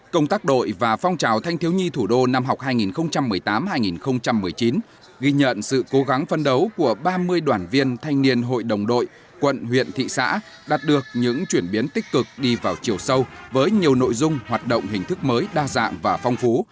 công tác đội và phong trào thanh thiếu nhi thủ đô năm học hai nghìn một mươi tám hai nghìn một mươi chín ghi nhận sự cố gắng phân đấu của ba mươi đoàn viên thanh niên hội đồng đội quận huyện thị xã đạt được những chuyển biến tích cực đi vào chiều sâu với nhiều nội dung hoạt động hình thức mới đa dạng và phong phú